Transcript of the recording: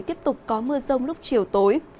tiếp tục có mưa rông lúc chiều tối